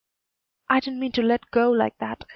"I didn't mean to let go like that.